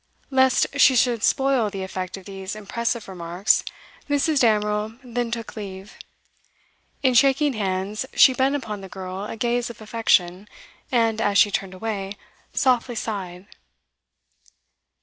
Lest she should spoil the effect of these impressive remarks, Mrs. Damerel then took leave. In shaking hands, she bent upon the girl a gaze of affection, and, as she turned away, softly sighed.